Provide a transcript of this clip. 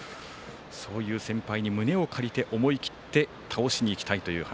そういう先輩に胸を借りて思い切って倒しに行きたいという話。